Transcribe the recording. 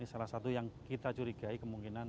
salah satu yang kita curigai kemungkinan